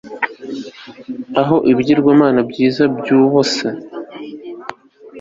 aho ibigirwamana byiza byubusa